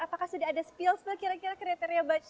apakah sudah ada spil spil kira kira kriteria bapak